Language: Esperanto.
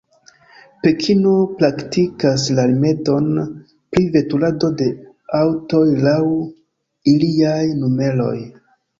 Pekino praktikas la rimedon pri veturado de aŭtoj laŭ iliaj numeroj.